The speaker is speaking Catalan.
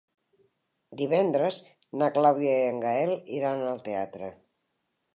Divendres na Clàudia i en Gaël iran al teatre.